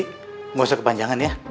tidak usah kepanjangan ya